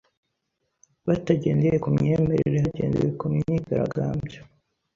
batagendeye ku myemerere hagendewe ku myigaragabyo